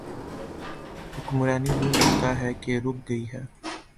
حکمرانی یوں لگتا ہے کہ رک گئی ہے۔